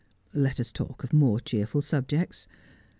Let us talk of more cheerful subjects.